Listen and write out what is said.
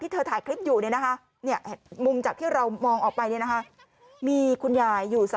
เธอถ่ายคลิปอยู่มุมจากที่เรามองออกไปมีคุณยายอยู่